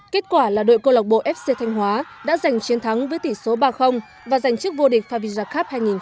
kết quả là đội câu lạc bộ fc thanh hóa đã giành chiến thắng với tỷ số ba và giành chức vô địch favisa cup hai nghìn một mươi tám